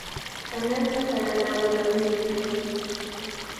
Kananqa sara lawatami upushun.